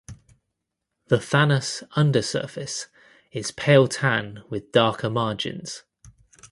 The thallus undersurface is pale tan with darker margins.